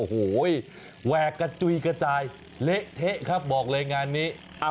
แหวกกระจุยกระจายเละเทะบอกเลยงานนี้